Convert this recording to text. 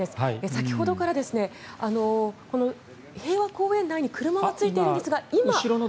先ほどから平和公園内に車は着いているんですが。